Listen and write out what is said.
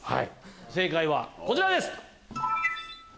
正解はこちらです。